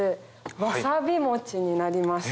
「わさび餅」になります。